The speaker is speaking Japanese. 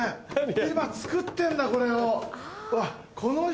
今作ってんだこれを。